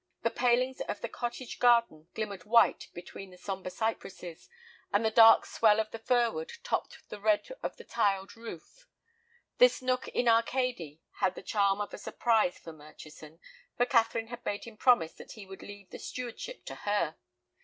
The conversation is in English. The palings of the cottage garden glimmered white between the sombre cypresses, and the dark swell of the fir wood topped the red of the tiled roof. This nook in Arcady had the charm of a surprise for Murchison, for Catherine had made him promise that he would leave the stewardship to her.